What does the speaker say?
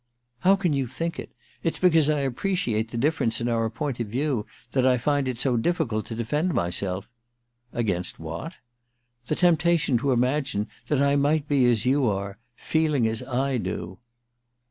* How can you think it ? It's because I appreciate the diflference in our point of view that I find it so diflSicult to defend myself '* Against what ?'* The temptation to imagine that I might be ^syou are — feeling as I do.'